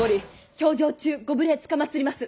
評定中ご無礼つかまつります